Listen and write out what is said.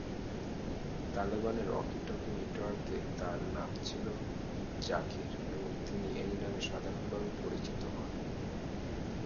তালেবানের ওয়াকি-টকি নেটওয়ার্কে তার নাম ছিল "জাকির", এবং তিনি এই নামেই সাধারণভাবে পরিচিত হন।